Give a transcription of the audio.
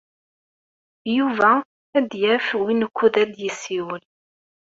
Yuba ad d-yaf win wukud ad yessiwel.